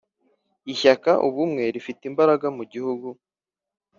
Ishyaka ubumwe rifite imbaraga mugihugu